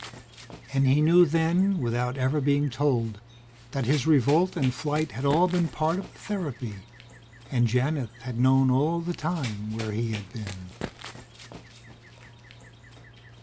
And he knew then, without ever being told, that his revolt and flight had all been part of the therapy, and Janith had known all the time where he had been....